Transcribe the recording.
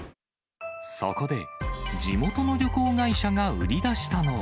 そこで、地元の旅行会社が売り出したのは。